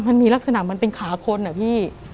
มันมีลักษณะมันเป็นขาคนอะพี่